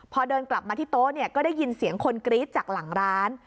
พอเดินกลับมาที่โต๊ะเนี่ยก็ได้ยินเสียงคนกรี๊ดจากหลังร้าน